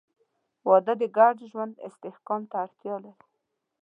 • واده د ګډ ژوند استحکام ته اړتیا لري.